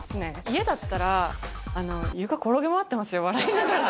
家だったら、床転げ回ってますよ、笑いながら。